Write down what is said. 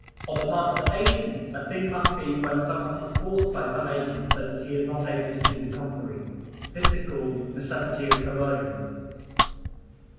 On the part of the agent, a thing must be, when someone is forced by some agent, so that he is not able to do the contrary. This is called "necessity of coercion."